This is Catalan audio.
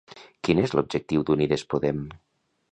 Quin és l'objectiu d'Unides Podem?